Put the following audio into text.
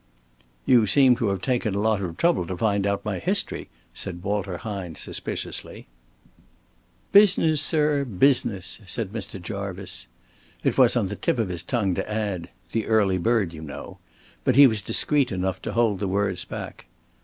"You seem to have taken a lot of trouble to find out my history," said Walter Hine, suspiciously. "Business, sir, business," said Mr. Jarvice. It was on the tip of his tongue to add, "The early bird, you know," but he was discreet enough to hold the words back.